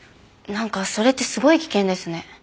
なんかそれってすごい危険ですね。